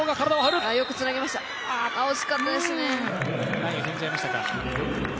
ライン踏んじゃいましたか。